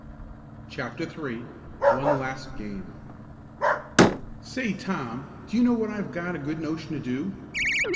CHAPTER III ONE LAST GAME "Say, Tom, do you know what I've got a good notion to do?"